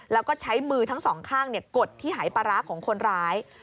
แล้วก็ใช้มือทั้งสองข้างกดที่หายปลาร้าของคนร้าย